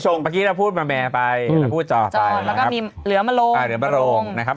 ชงนี้พูดมาแม้ไปพูดจฟัยเราก็มีเหลือมาโลงหรือลงนะครับ